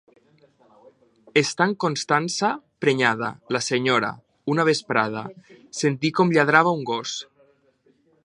Estant Constança prenyada, la senyora, una vesprada, sentí com lladrava un gos.